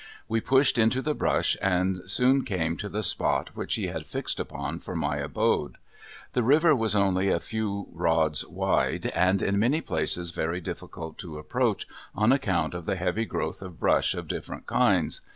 We pushed into the brush and soon came to the spot which he had fixed upon for my abode. The river was only a few rods wide, and in many places very difficult to approach on account of the heavy growth of brush of different kinds.